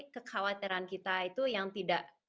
kekhawatiran kita itu yang tidak